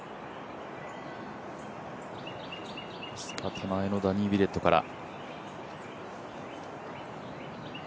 手前のダニー・ウィレットから。